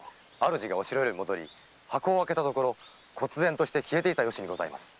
主がお城より戻り箱を開けると忽然と消えていた由にございます。